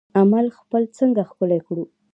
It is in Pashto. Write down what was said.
خپل عمل څنګه ښکلی کړو؟